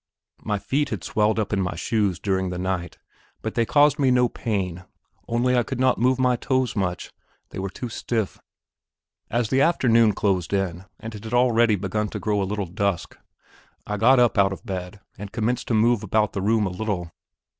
My feet had swelled up in my shoes during the night, but they caused me no pain, only I could not move my toes much, they were too stiff. As the afternoon closed in, and it had already begun to grow a little dusk, I got up out of bed and commenced to move about the room a little.